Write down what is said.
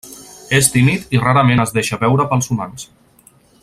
És tímid i rarament es deixa veure pels humans.